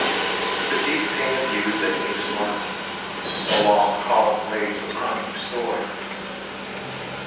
But the deep pain of you is aching smart, And a long calling weighs upon you sore.